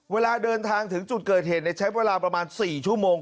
เวลาเดินทางถึงจุดเกิดเหตุใช้เวลาประมาณ๔ชั่วโมง